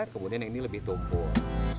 kemudian yang ini lebih tumpul